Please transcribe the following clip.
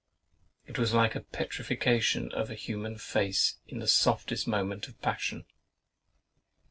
It was like a petrifaction of a human face in the softest moment of passion.